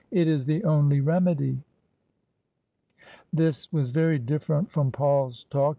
It is the only remedy !" This was very different from Paul's talk.